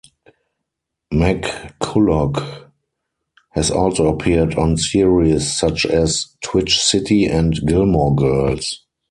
McCulloch has also appeared on series such as "Twitch City" and "Gilmore Girls".